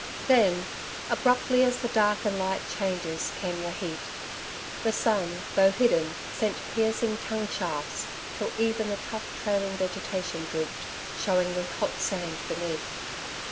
Then, abruptly as the dark and light changes came the heat. The sun, though hidden, sent piercing tongue shafts, till even the tough trailing vegetation drooped, showing the hot sand beneath.